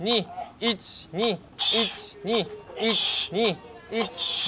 １２１２１２１２。